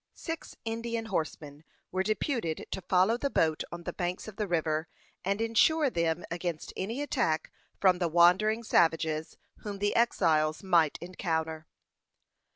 Six Indian horsemen were deputed to follow the boat on the banks of the river, and insure them against any attack from the wandering savages whom the exiles might encounter.